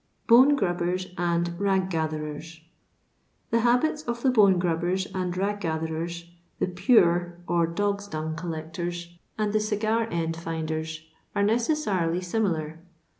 Eone Gbubbebs and Bag Gatherbbs. Thb habits of the bone grubbers and rag gather ers, the " pure,"* or dogs' dung collectors, and the cigar^nd finders, are necessarily similar.